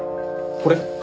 これ。